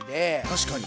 確かに。